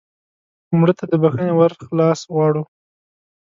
مړه ته د بښنې ور خلاص غواړو